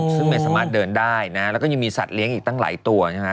ซึ่งไม่สามารถเดินได้นะแล้วก็ยังมีสัตว์เลี้ยงอีกตั้งหลายตัวใช่ไหมฮ